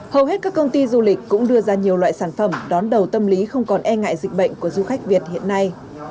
hầu hết các công ty du lịch cũng đưa ra nhiều loại sản phẩm đón đầu tâm lý không còn e ngại dịch bệnh của du khách việt hiện nay